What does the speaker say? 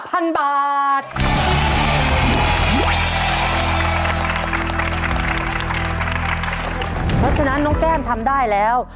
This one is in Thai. เพราะฉะนั้นน้องแก้มทำได้แล้ว